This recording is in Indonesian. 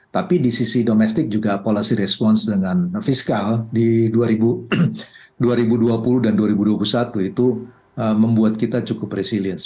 tapi di sisi domestik juga policy response dengan fiskal di dua ribu dua puluh dan dua ribu dua puluh satu itu membuat kita cukup resilient